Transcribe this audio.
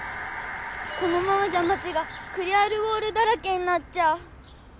このままじゃまちがクリアルウォールだらけになっちゃう。